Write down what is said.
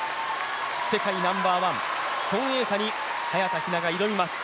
世界ナンバーワン、孫エイ莎に早田ひなが挑みます。